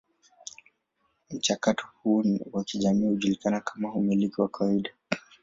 Mchakato huu wa kijamii hujulikana kama umiliki wa kawaida.